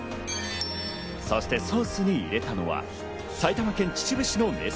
そしてソースに入れたのは埼玉県秩父市の名産